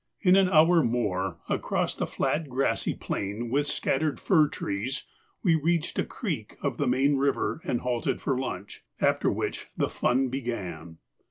In an hour more, across a flat grassy plain with scattered fir trees we reached a creek of the main river and halted for lunch, after which the fun began.